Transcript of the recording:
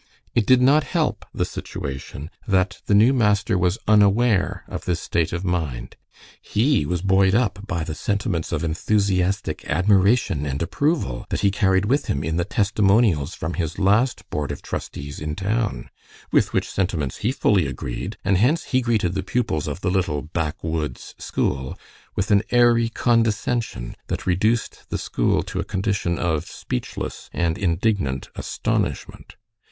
It did not help the situation that the new master was unaware of this state of mind. He was buoyed up by the sentiments of enthusiastic admiration and approval that he carried with him in the testimonials from his last board of trustees in town, with which sentiments he fully agreed, and hence he greeted the pupils of the little backwoods school with an airy condescension that reduced the school to a condition of speechless and indignant astonishment.